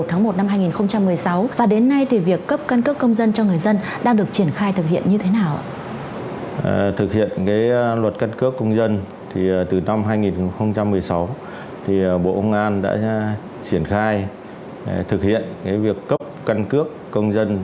hết nhiều thủ tục